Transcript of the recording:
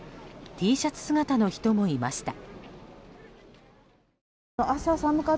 Ｔシャツ姿の人もいました。